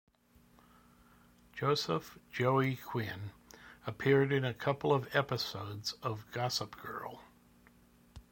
Joseph "Joey" Quinn and appeared in a couple of episodes of "Gossip Girl".